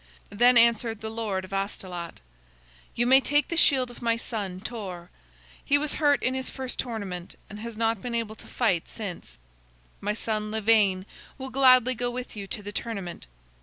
Then answered the Lord of Astolat: "You may take the shield of my son Torre. He was hurt in his first tournament, and has not been able to fight since. My son Lavaine will gladly go with you to the tournament.